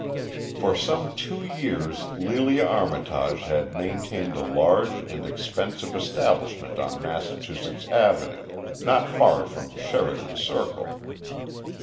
For some two years Lelia Armitage had maintained a large and expensive establishment on Massachusetts Avenue, not far from Sheridan Circle.